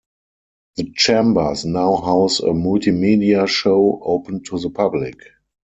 The chambers now house a multimedia show open to the public.